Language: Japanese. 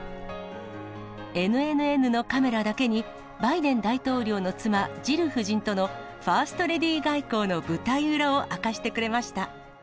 ＮＮＮのカメラだけに、バイデン大統領の妻、ジル夫人とのファーストレディー外交の舞台裏を明かしてくれまし